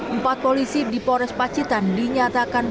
empat polisi di pores pacitan dinyatakan